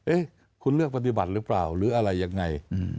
เอ๊ะคุณเลือกปฏิบัติหรือเปล่าหรืออะไรยังไง